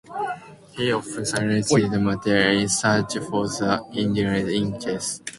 He often sacrificed material in search for the initiative in chess.